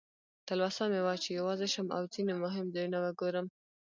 تلوسه مې وه چې یوازې شم او ځینې مهم ځایونه وګورم.